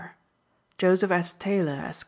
Joseph S. Taylor, Esq.